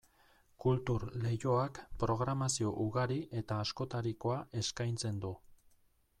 Kultur Leioak programazio ugari eta askotarikoa eskaintzen du.